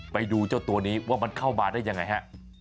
ไปดูเจ้าตัวนี้ว่ามันเข้ามาได้ยังไงฮะ